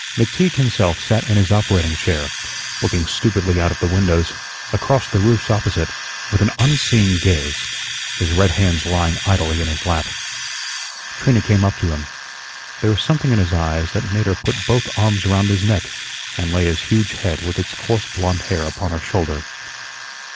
McTeague himself sat in his operating chair, looking stupidly out of the windows, across the roofs opposite, with an unseeing gaze, his red hands lying idly in his lap. Trina came up to him. There was something in his eyes that made her put both arms around his neck and lay his huge head with its coarse blond hair upon her shoulder.